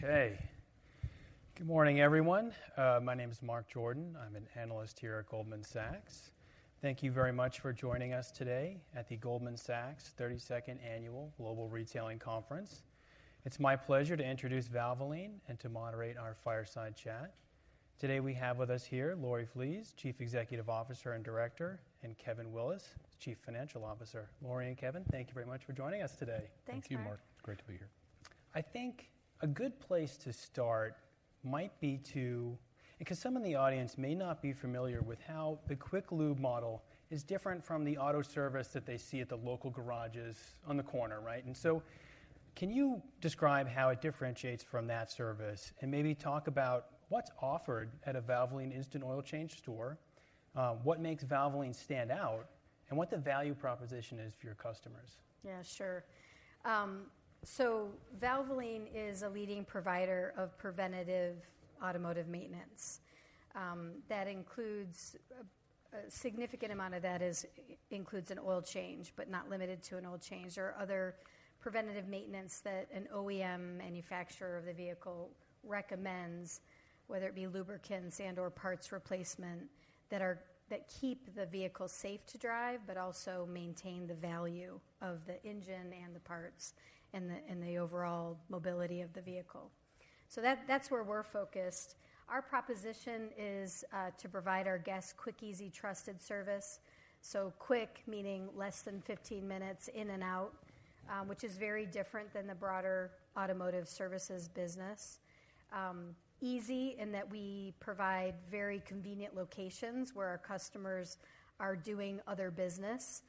Okay. Good morning, everyone. My name is Mark Jordan. I'm an analyst here at Goldman Sachs. Thank you very much for joining us today at the Goldman Sachs 32nd Annual Global Retailing Conference. It's my pleasure to introduce Valvoline and to moderate our fireside chat. Today, we have with us here Lori Flees, Chief Executive Officer and Director, and Kevin Willis, Chief Financial Officer. Lori and Kevin, thank you very much for joining us today. Thanks Thank you, Mark. Great to be here. I think a good place to start might be because some in the audience may not be familiar with how the quick lube model is different from the auto service that they see at the local garages on the corner, right? And so can you describe how it differentiates from that service, and maybe talk about what's offered at a Valvoline Instant Oil Change store, what makes Valvoline stand out, and what the value proposition is for your customers? Yeah, sure, so Valvoline is a leading provider of preventative automotive maintenance. That includes a significant amount of that includes an oil change, but not limited to an oil change or other preventative maintenance that an OEM manufacturer of the vehicle recommends, whether it be lubricants and/or parts replacement that keep the vehicle safe to drive but also maintain the value of the engine and the parts and the overall mobility of the vehicle, that's where we're focused. Our proposition is to provide our guests quick, easy, trusted service, quick meaning less than 15 minutes in and out, which is very different than the broader automotive services business. Easy in that we provide very convenient locations where our customers are doing other business,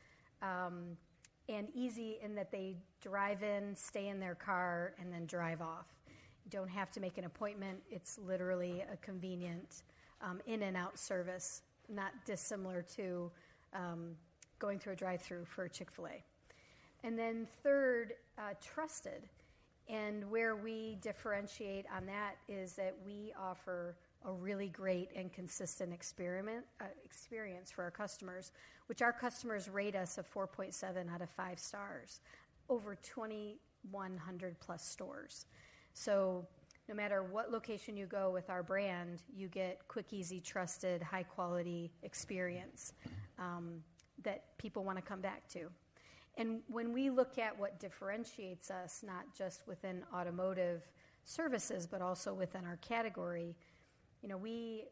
and easy in that they drive in, stay in their car, and then drive off. Don't have to make an appointment. It's literally a convenient, in-and-out service, not dissimilar to going through a drive-through for a Chick-fil-A. And then third, trusted, and where we differentiate on that is that we offer a really great and consistent experience for our customers, which our customers rate us a 4.7 out of 5 stars, over 2,100 + stores. So no matter what location you go with our brand, you get quick, easy, trusted, high-quality experience that people wanna come back to. When we look at what differentiates us, not just within automotive services but also within our category, you know, we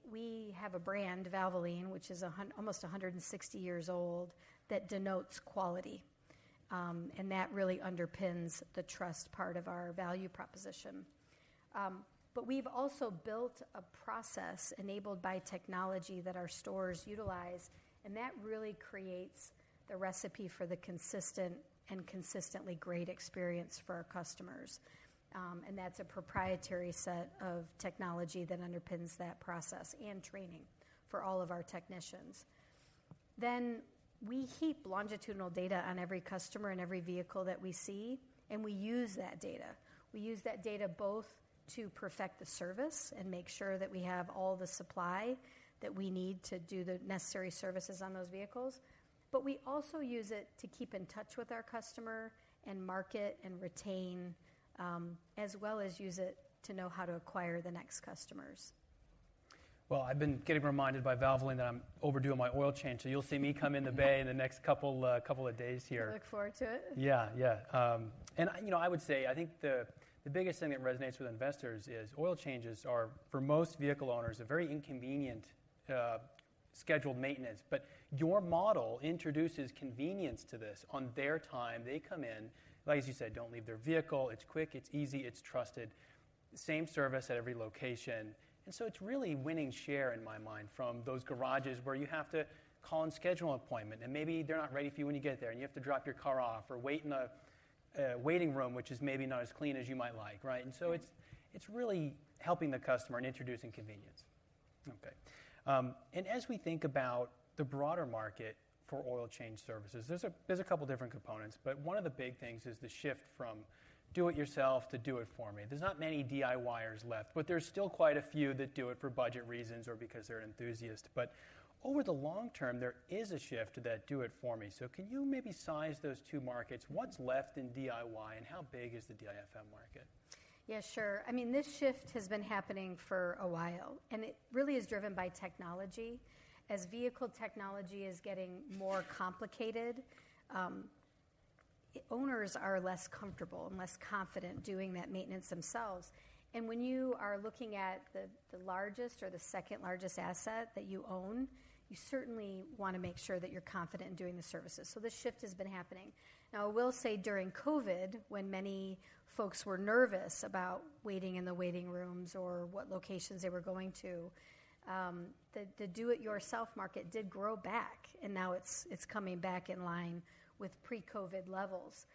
have a brand, Valvoline, which is almost a hundred and sixty years old, that denotes quality, and that really underpins the trust part of our value proposition, but we've also built a process enabled by technology that our stores utilize, and that really creates the recipe for the consistent and consistently great experience for our customers, and that's a proprietary set of technology that underpins that process, and training for all of our technicians, then we keep longitudinal data on every customer and every vehicle that we see, and we use that data. We use that data both to perfect the service and make sure that we have all the supply that we need to do the necessary services on those vehicles. But we also use it to keep in touch with our customer and market and retain, as well as use it to know how to acquire the next customers. Well, I've been getting reminded by Valvoline that I'm overdue on my oil change, so you'll see me come in the bay in the next couple of days here. I look forward to it. Yeah, yeah. And I, you know, I would say, I think the biggest thing that resonates with investors is oil changes are, for most vehicle owners, a very inconvenient, scheduled maintenance. But your model introduces convenience to this. On their time, they come in, like as you said, don't leave their vehicle. It's quick, it's easy, it's trusted. Same service at every location. And so it's really winning share, in my mind, from those garages where you have to call and schedule an appointment, and maybe they're not ready for you when you get there, and you have to drop your car off or wait in a waiting room, which is maybe not as clean as you might like, right? Yeah. And so it's really helping the customer and introducing convenience. Okay. And as we think about the broader market for oil change services, there's a couple different components, but one of the big things is the shift from do it yourself to do it for me. There's not many DIYers left, but there's still quite a few that do it for budget reasons or because they're enthusiasts. But over the long term, there is a shift to that do it for me. So can you maybe size those two markets? What's left in DIY, and how big is the DIFM market? Yeah, sure. I mean, this shift has been happening for a while, and it really is driven by technology. As vehicle technology is getting more complicated, owners are less comfortable and less confident doing that maintenance themselves, and when you are looking at the largest or the second-largest asset that you own, you certainly wanna make sure that you're confident in doing the services, so this shift has been happening. Now, I will say during COVID, when many folks were nervous about waiting in the waiting rooms or what locations they were going to, the do-it-yourself market did grow back, and now it's coming back in line with pre-COVID levels.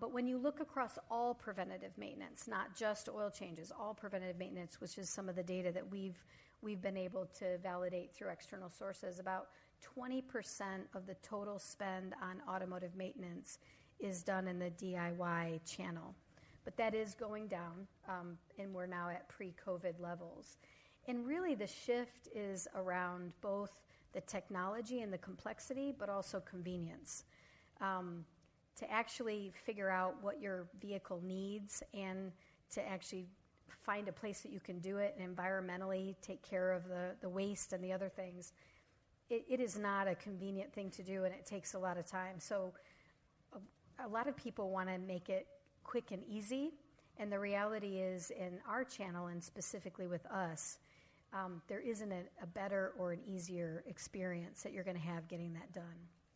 But when you look across all preventative maintenance, not just oil changes, all preventative maintenance, which is some of the data that we've been able to validate through external sources, about 20% of the total spend on automotive maintenance is done in the DIY channel. That is going down, and we're now at pre-COVID levels. Really, the shift is around both the technology and the complexity, but also convenience. To actually figure out what your vehicle needs and to actually find a place that you can do it and environmentally take care of the waste and the other things, it is not a convenient thing to do, and it takes a lot of time. So, a lot of people want to make it quick and easy, and the reality is, in our channel and specifically with us, there isn't a better or an easier experience that you're gonna have getting that done.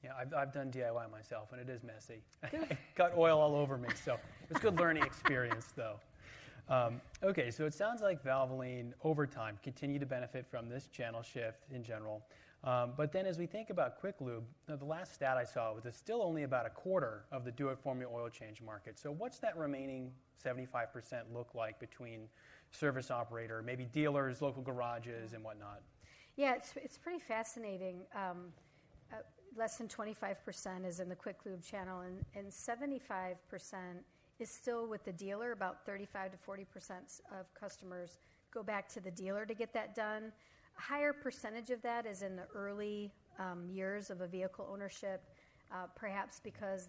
Yeah, I've, I've done DIY myself, and it is messy. Yeah. Got oil all over me, so it was a good learning experience, though. Okay, so it sounds like Valvoline, over time, continued to benefit from this channel shift in general. But then as we think about quick lube, the last stat I saw was it's still only about a quarter of the do-it-for-me oil change market. So what's that remaining 75% look like between service operator, maybe dealers, local garages, and whatnot? Yeah, it's pretty fascinating. Less than 25% is in the quick lube channel, and 75% is still with the dealer. About 35%-40% of customers go back to the dealer to get that done. A higher percentage of that is in the early years of a vehicle ownership, perhaps because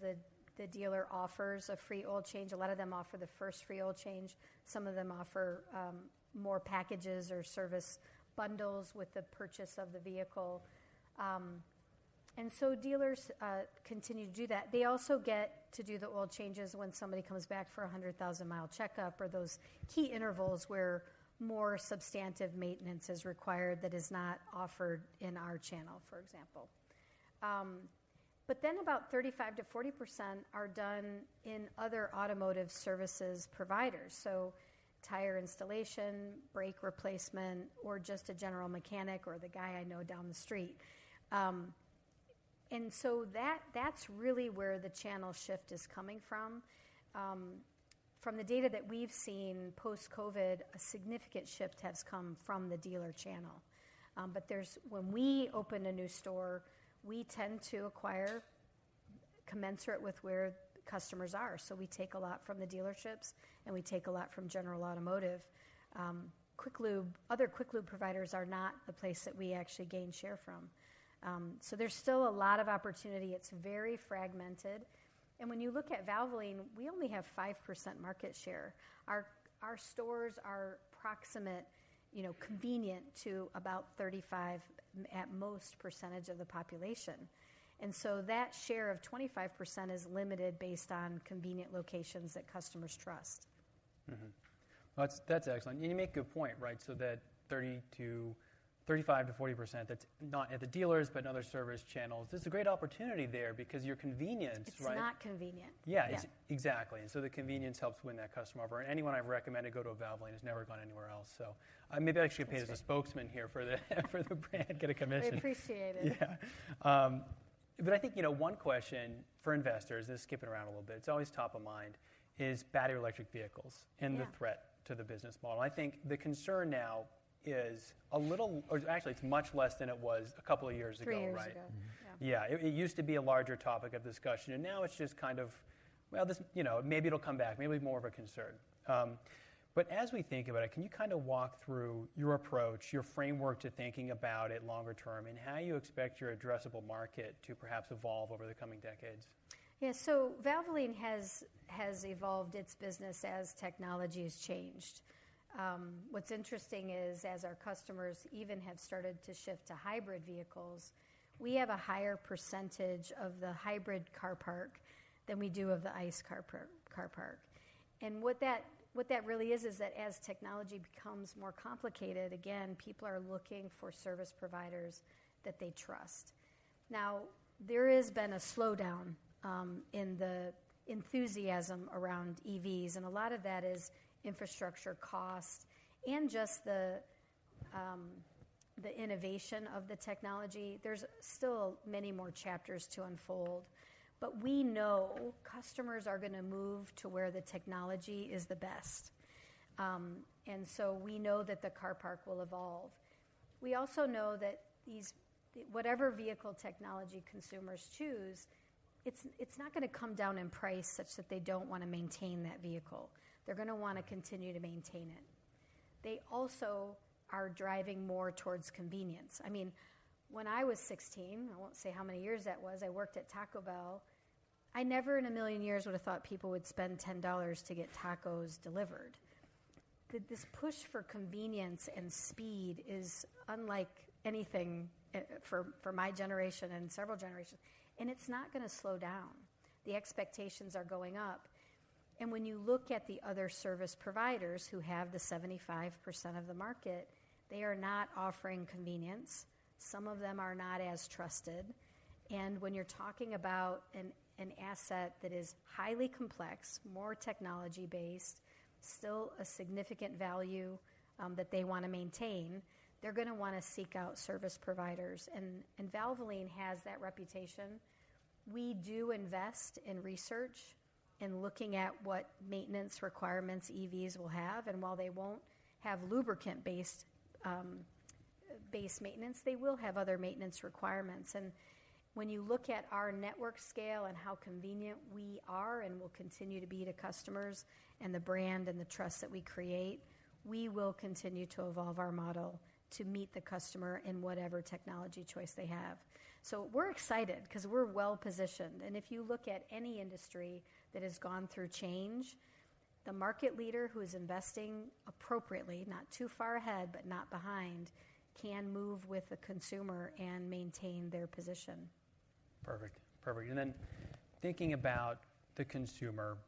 the dealer offers a free oil change. A lot of them offer the first free oil change. Some of them offer more packages or service bundles with the purchase of the vehicle. So dealers continue to do that. They also get to do the oil changes when somebody comes back for a 100,000 mi checkup or those key intervals where more substantive maintenance is required that is not offered in our channel, for example. But then about 35%-40% are done in other automotive services providers, so tire installation, brake replacement, or just a general mechanic or the guy I know down the street, and so that, that's really where the channel shift is coming from. From the data that we've seen post-COVID, a significant shift has come from the dealer channel, but there's, when we open a new store, we tend to acquire commensurate with where customers are, so we take a lot from the dealerships, and we take a lot from general automotive. quick lube, other quick lube providers are not the place that we actually gain share from, so there's still a lot of opportunity. It's very fragmented, and when you look at Valvoline, we only have 5% market share. Our stores are proximate, you know, convenient to about 35%, at most, of the population, and so that share of 25% is limited based on convenient locations that customers trust. Mm-hmm. That's excellent, and you make a good point, right? So that 30 to 35 to 40% that's not at the dealers but other service channels, there's a great opportunity there because your convenience, right? It's not convenient. Yeah. Exactly, and so the convenience helps win that customer over, and anyone I've recommended go to Valvoline has never gone anywhere else. So maybe I should get paid as a spokesman here for the brand, get a commission. I appreciate it. Yeah, but I think, you know, one question for investors, and skipping around a little bit, it's always top of mind, is battery electric vehicles- Yeah... and the threat to the business model. I think the concern now is a little, or actually, it's much less than it was a couple of years ago, right? Three years ago. Yeah. Yeah, it used to be a larger topic of discussion, and now it's just kind of, "Well, this... You know, maybe it'll come back. Maybe more of a concern," but as we think about it, can you kind of walk through your approach, your framework to thinking about it longer term, and how you expect your addressable market to perhaps evolve over the coming decades? Yeah, so Valvoline has evolved its business as technology has changed. What's interesting is, as our customers even have started to shift to hybrid vehicles, we have a higher percentage of the hybrid car park than we do of the ICE car park. And what that really is, is that as technology becomes more complicated, again, people are looking for service providers that they trust. Now, there has been a slowdown in the enthusiasm around EVs, and a lot of that is infrastructure cost and just the innovation of the technology. There's still many more chapters to unfold, but we know customers are gonna move to where the technology is the best. And so we know that the car park will evolve. We also know that these, whatever vehicle technology consumers choose, it's not gonna come down in price such that they don't wanna maintain that vehicle. They're gonna wanna continue to maintain it. They also are driving more towards convenience. I mean, when I was sixteen, I won't say how many years that was, I worked at Taco Bell, I never in a million years would've thought people would spend $10 to get tacos delivered. This push for convenience and speed is unlike anything for my generation and several generations, and it's not gonna slow down. The expectations are going up, and when you look at the other service providers who have the 75% of the market, they are not offering convenience. Some of them are not as trusted, and when you're talking about an asset that is highly complex, more technology-based, still a significant value, that they want to maintain, they're gonna wanna seek out service providers, and Valvoline has that reputation. We do invest in research, in looking at what maintenance requirements EVs will have, and while they won't have lubricant-based base maintenance, they will have other maintenance requirements, and when you look at our network scale and how convenient we are and will continue to be to customers and the brand and the trust that we create, we will continue to evolve our model to meet the customer in whatever technology choice they have, so we're excited 'cause we're well-positioned, and if you look at any industry that has gone through change. The market leader who is investing appropriately, not too far ahead, but not behind, can move with the consumer and maintain their position. Perfect. Perfect, and then thinking about the consumer,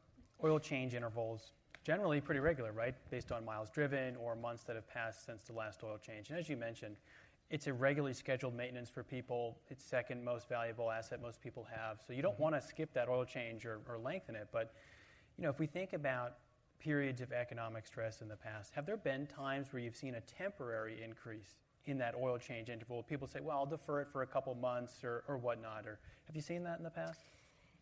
oil change intervals, generally pretty regular, right? Based on mi driven or months that have passed since the last oil change. And as you mentioned, it's a regularly scheduled maintenance for people. It's second most valuable asset most people have. Mm-hmm. So you don't wanna skip that oil change or lengthen it. But, you know, if we think about periods of economic stress in the past, have there been times where you've seen a temporary increase in that oil change interval? People say, "Well, I'll defer it for a couple months" or whatnot, or have you seen that in the past?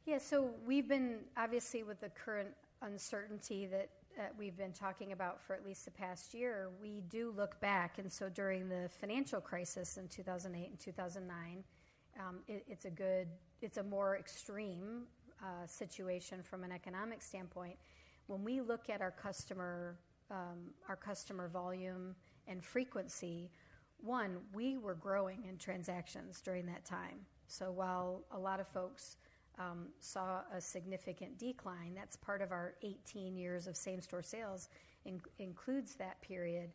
Yeah, so we've been obviously, with the current uncertainty that we've been talking about for at least the past year, we do look back, and so during the financial crisis in 2008 and 2009, it, it's a good. It's a more extreme situation from an economic standpoint. When we look at our customer, our customer volume and frequency, one, we were growing in transactions during that time. So while a lot of folks saw a significant decline, that's part of our eighteen years of same-store sales, includes that period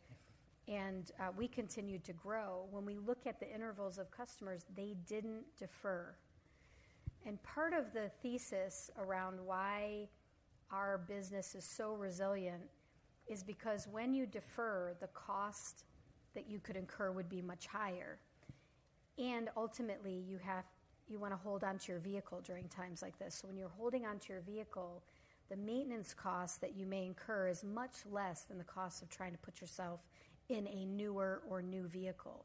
and we continued to grow. When we look at the intervals of customers, they didn't defer. And part of the thesis around why our business is so resilient is because when you defer, the cost that you could incur would be much higher, and ultimately, you have, you wanna hold onto your vehicle during times like this. So when you're holding onto your vehicle, the maintenance cost that you may incur is much less than the cost of trying to put yourself in a newer or new vehicle.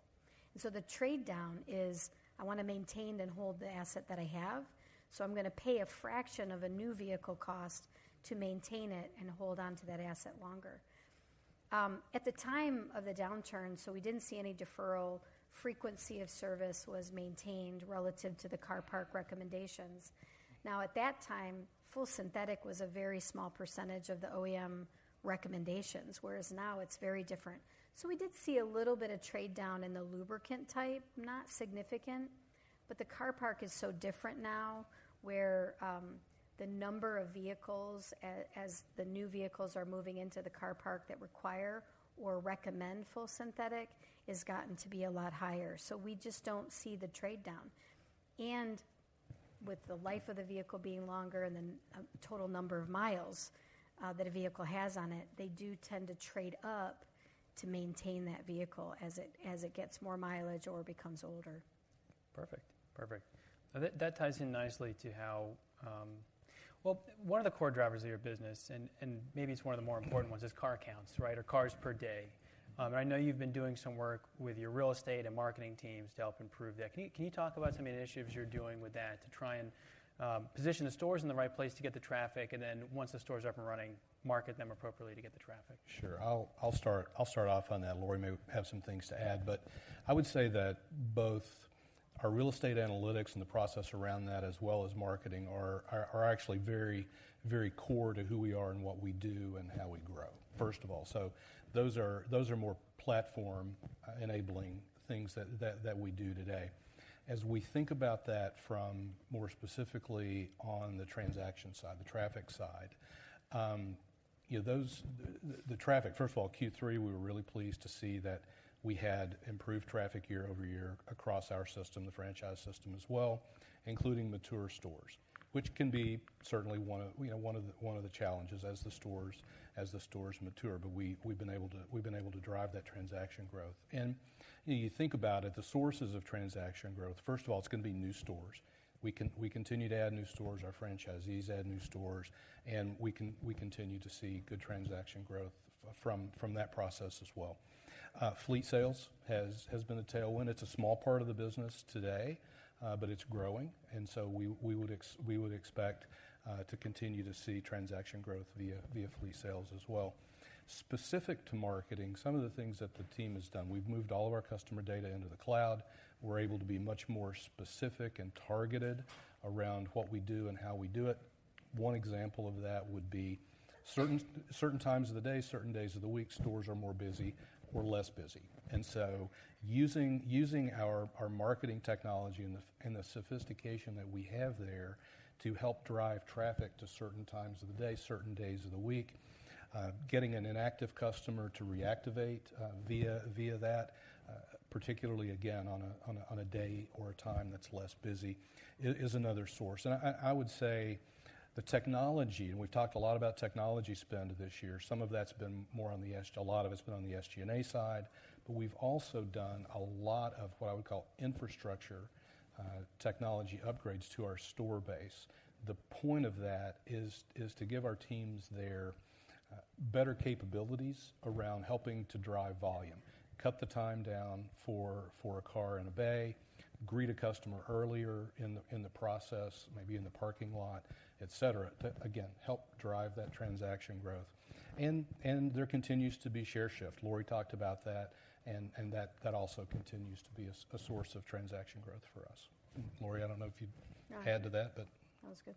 And so the trade-down is, I wanna maintain and hold the asset that I have, so I'm gonna pay a fraction of a new vehicle cost to maintain it and hold on to that asset longer. At the time of the downturn, so we didn't see any deferral. Frequency of service was maintained relative to the car park recommendations. Now, at that time, full synthetic was a very small percentage of the OEM recommendations, whereas now it's very different. So we did see a little bit of trade-down in the lubricant type, not significant. But the car park is so different now, where, the number of vehicles as the new vehicles are moving into the car park that require or recommend full synthetic, has gotten to be a lot higher. So we just don't see the trade-down. And with the life of the vehicle being longer and then, total number of miles, that a vehicle has on it, they do tend to trade up to maintain that vehicle as it gets more mileage or becomes older. Perfect. Perfect. That ties in nicely to how. Well, one of the core drivers of your business, and maybe it's one of the more important ones, is car counts, right? Or cars per day. I know you've been doing some work with your real estate and marketing teams to help improve that. Can you talk about some of the initiatives you're doing with that to try and position the stores in the right place to get the traffic, and then once the stores are up and running, market them appropriately to get the traffic? Sure. I'll start off on that. Lori may have some things to add, but I would say that both our real estate analytics and the process around that, as well as marketing, are actually very core to who we are and what we do and how we grow, first of all, so those are more platform-enabling things that we do today. As we think about that from more specifically on the transaction side, the traffic side, you know, the traffic first of all, Q3, we were really pleased to see that we had improved traffic year over year across our system, the franchise system as well, including mature stores, which can be certainly one of the challenges as the stores mature. We, we've been able to, we've been able to drive that transaction growth. You know, you think about it, the sources of transaction growth, first of all, it's gonna be new stores. We continue to add new stores. Our franchisees add new stores, and we continue to see good transaction growth from that process as well. Fleet sales has been a tailwind. It's a small part of the business today, but it's growing, and so we would expect to continue to see transaction growth via fleet sales as well. Specific to marketing, some of the things that the team has done, we've moved all of our customer data into the cloud. We're able to be much more specific and targeted around what we do and how we do it. One example of that would be certain times of the day, certain days of the week, stores are more busy or less busy. And so using our marketing technology and the sophistication that we have there to help drive traffic to certain times of the day, certain days of the week, getting an inactive customer to reactivate via that, particularly again, on a day or a time that's less busy, is another source. And I would say the technology, and we've talked a lot about technology spend this year. Some of that's been more on the SG&A side, but we've also done a lot of what I would call infrastructure technology upgrades to our store base. The point of that is to give our teams there better capabilities around helping to drive volume. Cut the time down for a car in a bay, greet a customer earlier in the process, maybe in the parking lot, et cetera, to again help drive that transaction growth. And there continues to be share shift. Lori talked about that, and that also continues to be a source of transaction growth for us. Lori, I don't know if you'd add to that, but- That was good.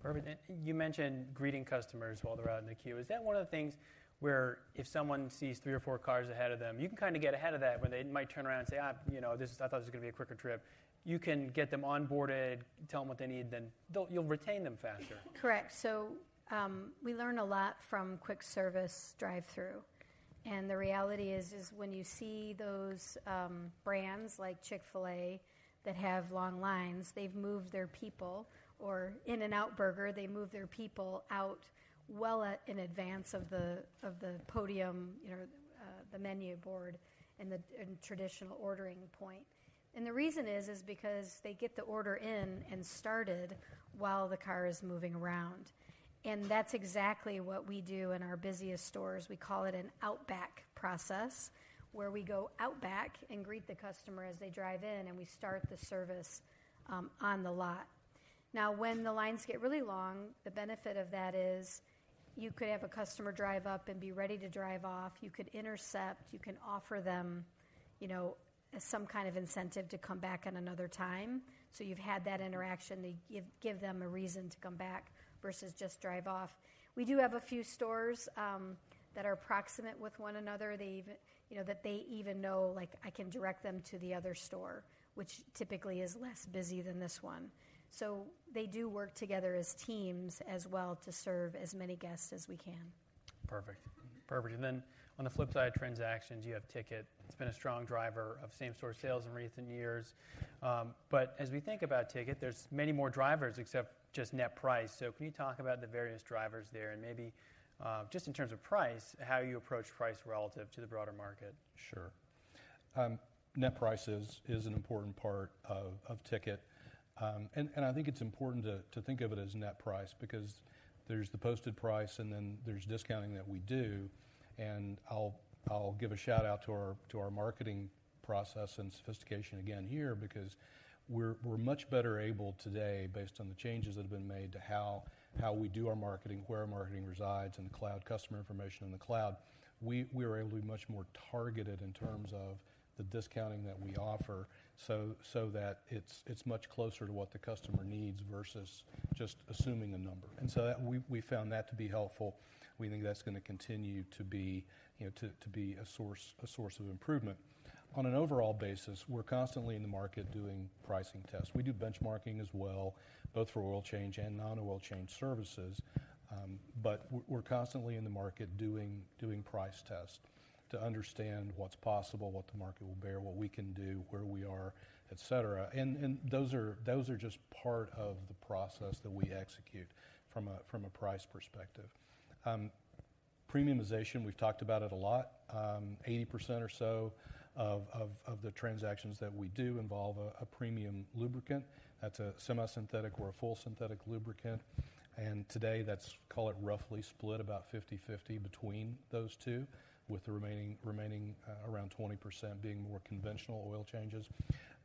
Perfect. And you mentioned greeting customers while they're out in the queue. Is that one of the things where if someone sees three or four cars ahead of them, you can kinda get ahead of that, where they might turn around and say, "Ah, you know, this, I thought this was gonna be a quicker trip," you can get them onboarded, tell them what they need, then they'll, you'll retain them faster? Correct. So, we learn a lot from quick service drive-through, and the reality is when you see those brands like Chick-fil-A that have long lines, they've moved their people, or In-N-Out Burger, they move their people out well in advance of the podium, you know, the menu board and the traditional ordering point. And the reason is because they get the order in and started while the car is moving around, and that's exactly what we do in our busiest stores. We call it an outback process, where we go out back and greet the customer as they drive in, and we start the service on the lot. Now, when the lines get really long, the benefit of that is you could have a customer drive up and be ready to drive off. You could intercept. You can offer them, you know, some kind of incentive to come back at another time. So you've had that interaction to give them a reason to come back versus just drive off. We do have a few stores that are proximate with one another, they even, you know, that they even know, like, "I can direct them to the other store, which typically is less busy than this one." So they do work together as teams as well to serve as many guests as we can. Perfect. Perfect, and then on the flip side of transactions, you have ticket. It's been a strong driver of same-store sales in recent years, but as we think about ticket, there's many more drivers except just net price, so can you talk about the various drivers there and maybe, just in terms of price, how you approach price relative to the broader market? Sure. Net prices is an important part of ticket. I think it's important to think of it as net price because there's the posted price, and then there's discounting that we do. And I'll give a shout-out to our marketing process and sophistication again here because we're much better able today, based on the changes that have been made to how we do our marketing, where our marketing resides in the cloud, customer information in the cloud, we are able to be much more targeted in terms of the discounting that we offer, so that it's much closer to what the customer needs versus just assuming a number. And so that we found that to be helpful. We think that's gonna continue to be, you know, to be a source of improvement. On an overall basis, we're constantly in the market doing pricing tests. We do benchmarking as well, both for oil change and non-oil change services. But we're constantly in the market doing price tests to understand what's possible, what the market will bear, what we can do, where we are, et cetera. And those are just part of the process that we execute from a price perspective. Premiumization, we've talked about it a lot. 80% or so of the transactions that we do involve a premium lubricant. That's a semisynthetic or a full synthetic lubricant, and today, that's call it roughly split about 50/50 between those two, with the remaining around 20% being more conventional oil changes.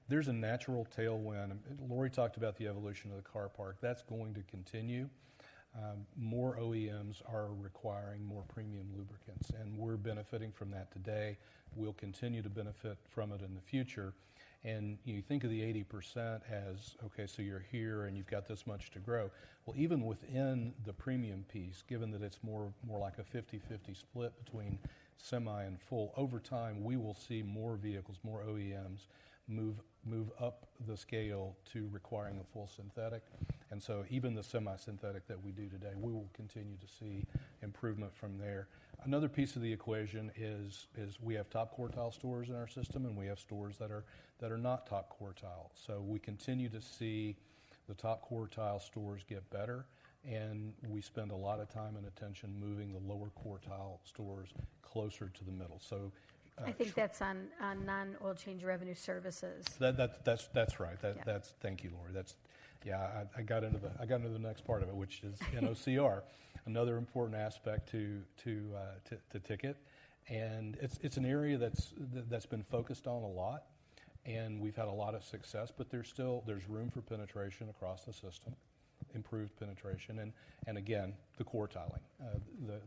There's a natural tailwind. Lori talked about the evolution of the car park. That's going to continue. More OEMs are requiring more premium lubricants, and we're benefiting from that today. We'll continue to benefit from it in the future, and you think of the 80% as, okay, so you're here, and you've got this much to grow. Well, even within the premium piece, given that it's more like a fifty-fifty split between semi and full, over time, we will see more vehicles, more OEMs move up the scale to requiring a full synthetic. And so even the semisynthetic that we do today, we will continue to see improvement from there. Another piece of the equation is we have top-quartile stores in our system, and we have stores that are not top quartile. So we continue to see the top-quartile stores get better, and we spend a lot of time and attention moving the lower-quartile stores closer to the middle. I think that's on non-oil change revenue services. That's right. Yeah. Thank you, Lori. Yeah, I got into the next part of it, which is NOCR, another important aspect to ticket. And it's an area that's been focused on a lot, and we've had a lot of success, but there's still room for penetration across the system, improved penetration, and again, the quartiling.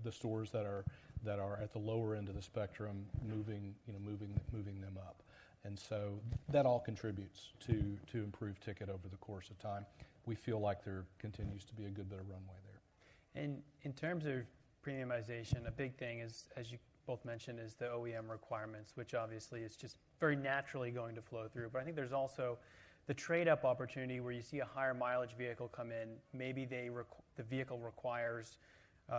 The stores that are at the lower end of the spectrum moving, you know, moving them up. And so that all contributes to improve ticket over the course of time. We feel like there continues to be a good bit of runway there. And in terms of premiumization, a big thing is, as you both mentioned, is the OEM requirements, which obviously is just very naturally going to flow through. But I think there's also the trade-up opportunity, where you see a higher-mileage vehicle come in. Maybe the vehicle requires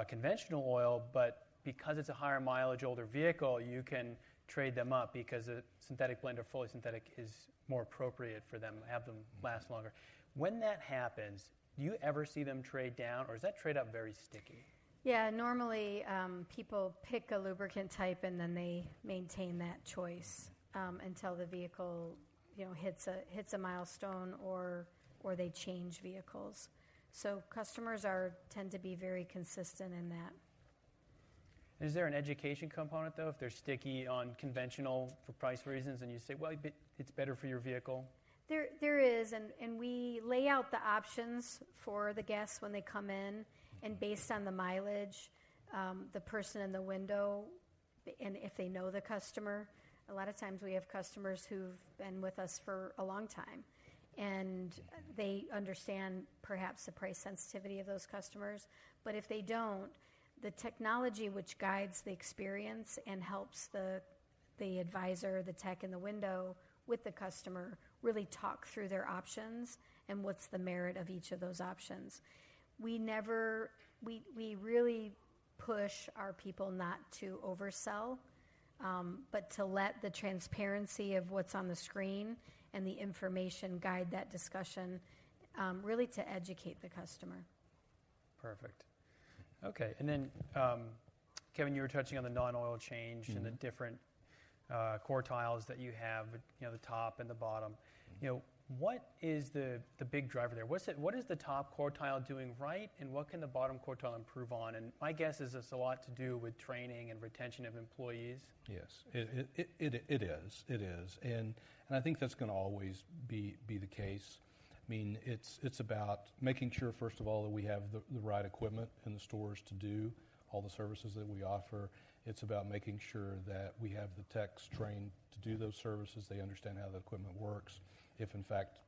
conventional oil, but because it's a higher-mileage, older vehicle, you can trade them up because a synthetic blend or fully synthetic is more appropriate for them, have them last longer. When that happens, do you ever see them trade down, or is that trade-up very sticky? Yeah, normally, people pick a lubricant type, and then they maintain that choice, until the vehicle, you know, hits a milestone or they change vehicles. So customers tend to be very consistent in that. Is there an education component, though, if they're sticky on conventional for price reasons, and you say, "Well, it's better for your vehicle? There is, and we lay out the options for the guests when they come in. Based on the mileage, the person in the window, and if they know the customer a lot of times, we have customers who've been with us for a long time, and they understand perhaps the price sensitivity of those customers. But if they don't, the technology which guides the experience and helps the advisor, the tech in the window, with the customer really talk through their options and what's the merit of each of those options. We really push our people not to oversell, but to let the transparency of what's on the screen and the information guide that discussion, really to educate the customer. Perfect. Okay, and then, Kevin, you were touching on the non-oil change and the different quartiles that you have, you know, the top and the bottom. You know, what is the big driver there? What is the top quartile doing right, and what can the bottom quartile improve on? And my guess is it's a lot to do with training and retention of employees. Yes. It is, and I think that's gonna always be the case. I mean, it's about making sure, first of all, that we have the right equipment in the stores to do all the services that we offer. It's about making sure that we have the techs trained to do those services, they understand how the equipment works, if, in fact,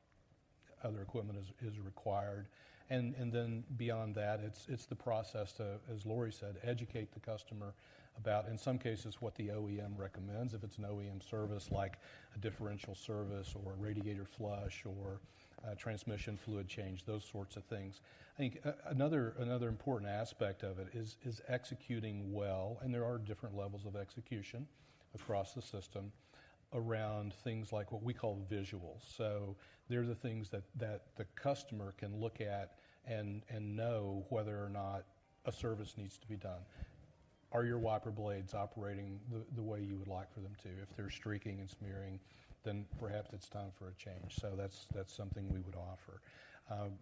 other equipment is required. And then beyond that, it's the process to, as Lori said, educate the customer about, in some cases, what the OEM recommends, if it's an OEM service, like a differential service or a radiator flush or a transmission fluid change, those sorts of things. I think another important aspect of it is executing well, and there are different levels of execution across the system around things like what we call visuals. They're the things that the customer can look at and know whether or not a service needs to be done. Are your wiper blades operating the way you would like for them to? If they're streaking and smearing, then perhaps it's time for a change, so that's something we would offer.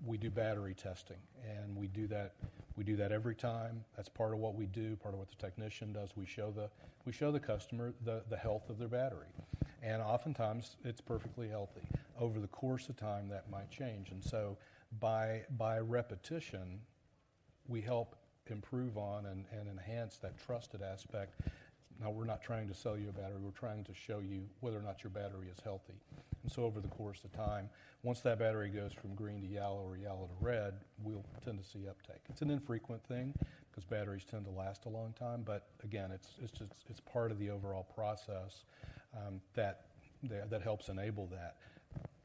We do battery testing, and we do that. We do that every time. That's part of what we do, part of what the technician does. We show the customer the health of their battery, and oftentimes, it's perfectly healthy. Over the course of time, that might change, and so by repetition, we help improve on and enhance that trusted aspect. "No, we're not trying to sell you a battery. We're trying to show you whether or not your battery is healthy," and so over the course of time, once that battery goes from green to yellow or yellow to red, we'll tend to see uptake. It's an infrequent thing, 'cause batteries tend to last a long time, but again, it's just part of the overall process that helps enable that.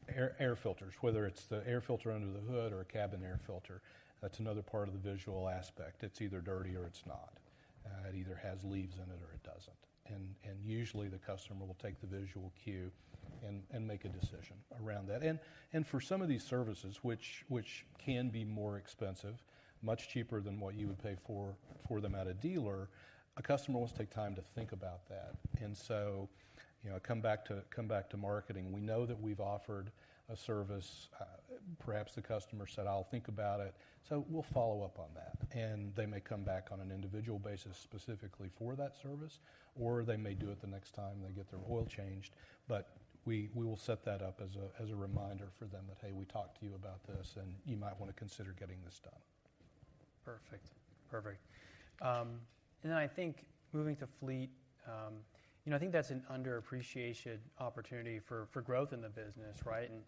Air filters, whether it's the air filter under the hood or a cabin air filter, that's another part of the visual aspect. It's either dirty or it's not. It either has leaves in it or it doesn't. And usually, the customer will take the visual cue and make a decision around that. For some of these services, which can be more expensive, much cheaper than what you would pay for them at a dealer, a customer will take time to think about that. You know, come back to marketing. We know that we've offered a service. Perhaps the customer said, "I'll think about it," so we'll follow up on that. They may come back on an individual basis specifically for that service, or they may do it the next time they get their oil changed. We will set that up as a reminder for them that, "Hey, we talked to you about this, and you might want to consider getting this done. Perfect. Perfect. And then I think moving to fleet, you know, I think that's an underappreciated opportunity for growth in the business, right? Mm-hmm.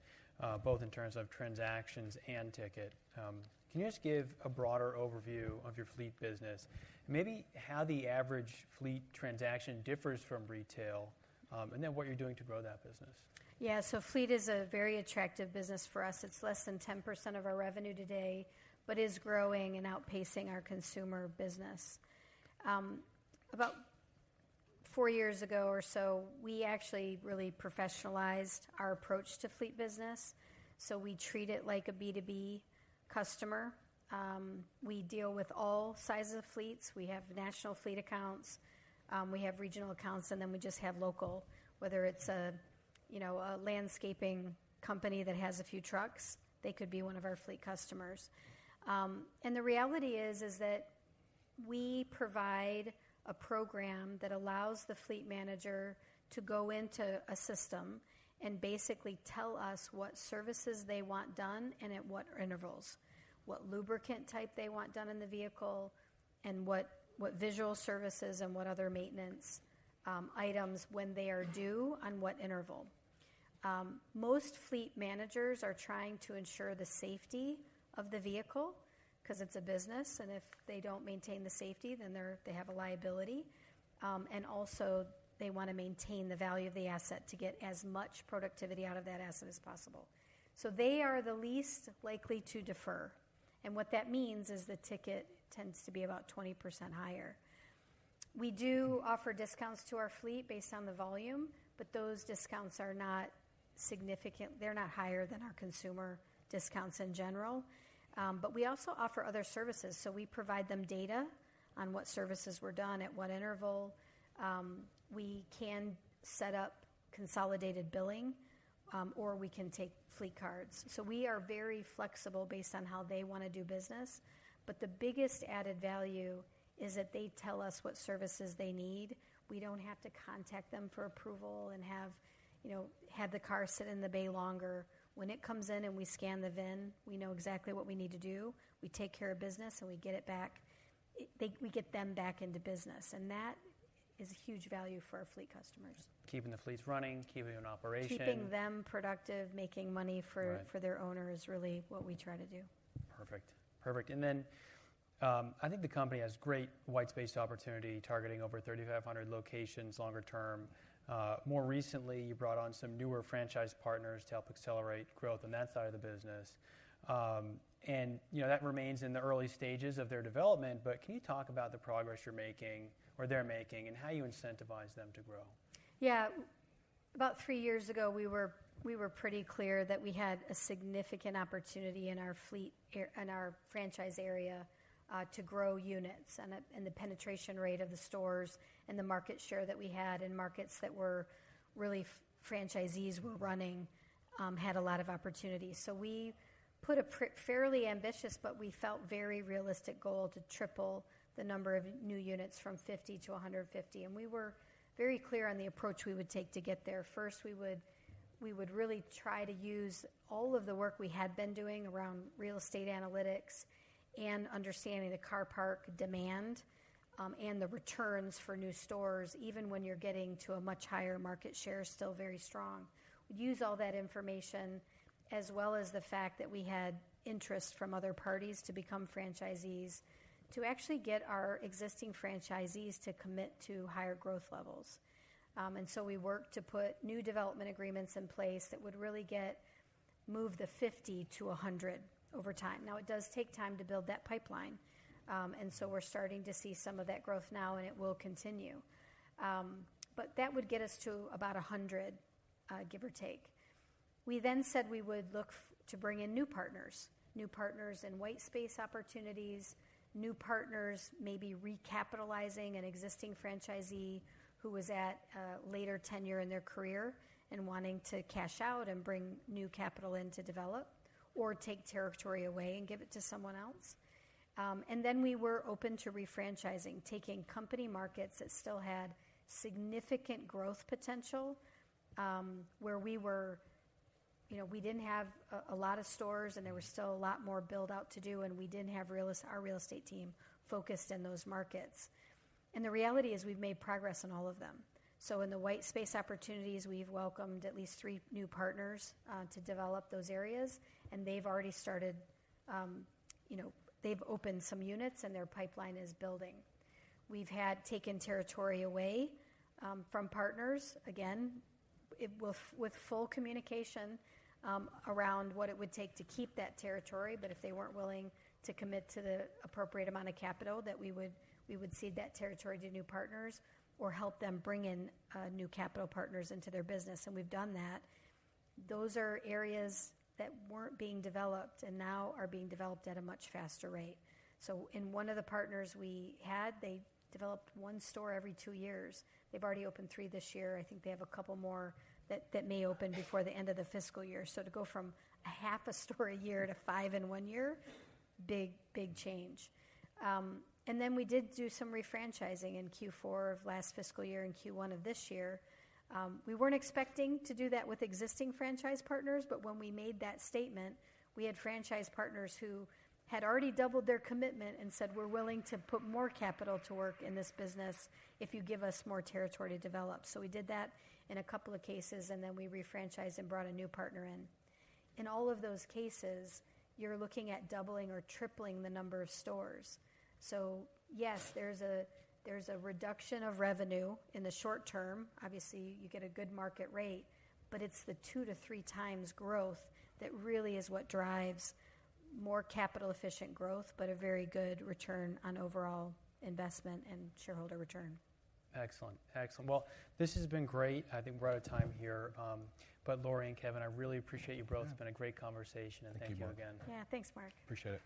Both in terms of transactions and ticket. Can you just give a broader overview of your fleet business, and maybe how the average fleet transaction differs from retail, and then what you're doing to grow that business? Yeah, so fleet is a very attractive business for us. It's less than 10% of our revenue today but is growing and outpacing our consumer business. About four years ago or so, we actually really professionalized our approach to fleet business, so we treat it like a B2B customer. We deal with all sizes of fleets. We have national fleet accounts, we have regional accounts, and then we just have local. Whether it's, you know, a landscaping company that has a few trucks, they could be one of our fleet customers. And the reality is that we provide a program that allows the fleet manager to go into a system and basically tell us what services they want done and at what intervals, what lubricant type they want done in the vehicle, and what visual services and what other maintenance items, when they are due, on what interval. Most fleet managers are trying to ensure the safety of the vehicle, 'cause it's a business, and if they don't maintain the safety, then they have a liability. And also, they want to maintain the value of the asset to get as much productivity out of that asset as possible. So they are the least likely to defer, and what that means is the ticket tends to be about 20% higher. We do offer discounts to our fleet based on the volume, but those discounts are not significant. They're not higher than our consumer discounts in general. But we also offer other services. So we provide them data on what services were done at what interval. We can set up consolidated billing, or we can take fleet cards. So we are very flexible based on how they want to do business, but the biggest added value is that they tell us what services they need. We don't have to contact them for approval and have, you know, have the car sit in the bay longer. When it comes in and we scan the VIN, we know exactly what we need to do. We take care of business, and we get it back. We get them back into business, and that is a huge value for our fleet customers. Keeping the fleets running, keeping them in operation. Keeping them productive, making money for their owner is really what we try to do. Perfect. Perfect, and then I think the company has great white space opportunity, targeting over 3,500 locations longer term. More recently, you brought on some newer franchise partners to help accelerate growth on that side of the business. And you know, that remains in the early stages of their development, but can you talk about the progress you're making or they're making, and how you incentivize them to grow? Yeah. About three years ago, we were pretty clear that we had a significant opportunity in our franchise area to grow units and the penetration rate of the stores and the market share that we had in markets that franchisees were running had a lot of opportunities. So we put a fairly ambitious, but we felt very realistic goal to triple the number of new units from 50 to 150, and we were very clear on the approach we would take to get there. First, we would really try to use all of the work we had been doing around real estate analytics and understanding the car park demand and the returns for new stores, even when you're getting to a much higher market share, still very strong. We'd use all that information, as well as the fact that we had interest from other parties to become franchisees, to actually get our existing franchisees to commit to higher growth levels, and so we worked to put new development agreements in place that would really get move the 50 to 100 over time. Now, it does take time to build that pipeline, and so we're starting to see some of that growth now, and it will continue, but that would get us to about 100, give or take. We then said we would look forward to bring in new partners, new partners in white space opportunities, new partners maybe recapitalizing an existing franchisee who was at a later tenure in their career and wanting to cash out and bring new capital in to develop or take territory away and give it to someone else. And then we were open to refranchising, taking company markets that still had significant growth potential, where we were, you know, we didn't have a lot of stores, and there was still a lot more build-out to do, and we didn't have our real estate team focused in those markets. The reality is, we've made progress on all of them. So in the white space opportunities, we've welcomed at least three new partners to develop those areas, and they've already started, you know, they've opened some units, and their pipeline is building. We've had taken territory away from partners, again, with full communication around what it would take to keep that territory. But if they weren't willing to commit to the appropriate amount of capital, we would cede that territory to new partners or help them bring in new capital partners into their business, and we've done that. Those are areas that weren't being developed and now are being developed at a much faster rate. So in one of the partners we had, they developed one store every two years. They've already opened three this year. I think they have a couple more that may open before the end of the fiscal year. So to go from a half a store a year to five in one year, big, big change, and then we did do some refranchising in Q4 of last fiscal year and Q1 of this year. We weren't expecting to do that with existing franchise partners, but when we made that statement, we had franchise partners who had already doubled their commitment and said, "We're willing to put more capital to work in this business if you give us more territory to develop." So we did that in a couple of cases, and then we refranchised and brought a new partner in. In all of those cases, you're looking at doubling or tripling the number of stores. So yes, there's a reduction of revenue in the short term. Obviously, you get a good market rate, but it's the two to three times growth that really is what drives more capital-efficient growth, but a very good return on overall investment and shareholder return. Excellent, excellent. Well, this has been great. I think we're out of time here, but Lori and Kevin, I really appreciate you both. It's been a great conversation. Thank you again. Yeah, thanks, Mark. Appreciate it.